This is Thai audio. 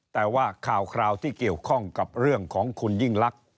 แต่ว่าข่าวคราวที่เกี่ยวข้องกับเรื่องของคุณยิ่งลักษณ์